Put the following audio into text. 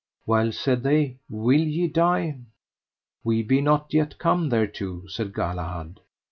Well, said they, will ye die? We be not yet come thereto, said Galahad.